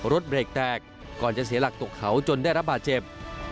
รถเบรกแตกก่อนจะเสียหลักตกเขาจนได้รับบาดเจ็บ